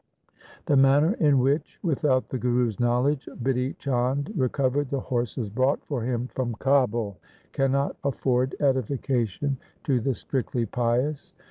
LIFE OF GURU HAR GOBIND 159 The manner in which, without the Guru's knowledge, Bidhi Chand recovered the horses brought for him from Kabul, cannot afford edification to the strictly pious.